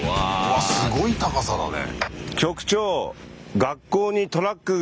わっすごい高さだね。